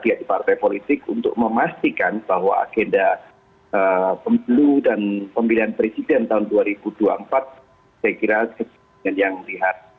pihak di partai politik untuk memastikan bahwa agenda pemilu dan pemilihan presiden tahun dua ribu dua puluh empat saya kira dengan yang lihat